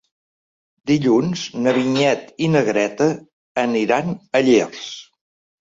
Dilluns na Vinyet i na Greta aniran a Llers.